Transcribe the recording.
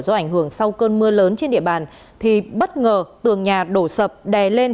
do ảnh hưởng sau cơn mưa lớn trên địa bàn thì bất ngờ tường nhà đổ sập đè lên